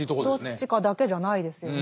どっちかだけじゃないですよね。